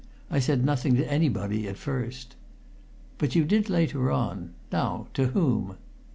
I said nothing to anybody at first." "But you did later on. Now, to whom?"